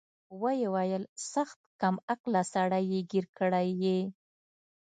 ويې ويل سخت کم عقله سړى يې ګير کړى يې.